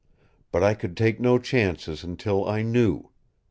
But I could take no chances until I knew.